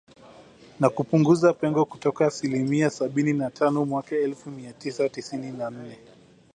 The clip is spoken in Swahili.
na kupunguza pengo kutoka asilimia sabini na tano mwaka elfu mia tisa tisini na nne